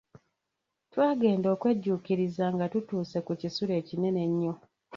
Twagenda okwejjuukiriza nga tutuuse ku kisulo ekinene ennyo.